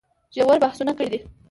ژور بحثونه کړي دي